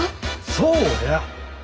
そうや。